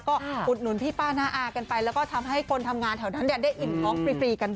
เผุดหนุนพี่ป้าน้าอากันไปแล้วทำให้คนทำงานแต่วันนั้นอีก